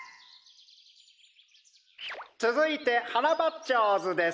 つづいてハナバッチョーズです。